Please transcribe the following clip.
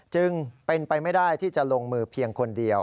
จึงเป็นไปไม่ได้ที่จะลงมือเพียงคนเดียว